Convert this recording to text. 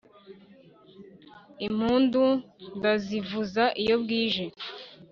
Impundu ndazivuza iyo bwije